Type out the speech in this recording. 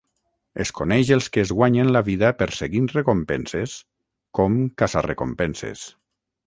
Es coneix els que es guanyen la vida perseguint recompenses com caça-recompenses.